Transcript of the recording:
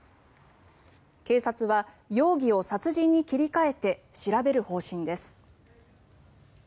警察は容疑を殺人に切り替えて調べる方針です。